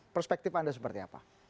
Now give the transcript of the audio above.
perspektif anda seperti apa